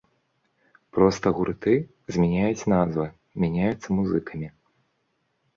Проста гурты змяняюць назвы, мяняюцца музыкамі.